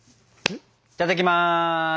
いただきます。